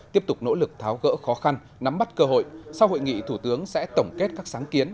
tiếp tục nỗ lực tháo gỡ khó khăn nắm bắt cơ hội sau hội nghị thủ tướng sẽ tổng kết các sáng kiến